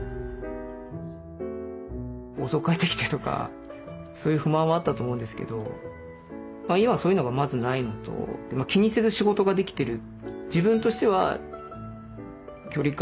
遅く帰ってきてとかそういう不満はあったと思うんですけど今はそういうのがまずないのと気にせず仕事ができてる。